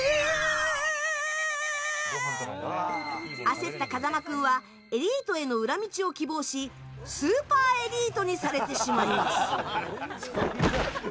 焦った風間君はエリートへの裏道を希望しスーパーエリートにされてしまいます。